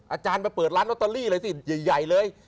อาจารย์ไปเปิดร้านลอตเตอรี่เลยสิใหญ่เลย